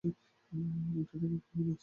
উঠে দেখ কি এনেছি, উঠো।